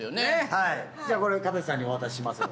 はいじゃあこれかたせさんにお渡しします。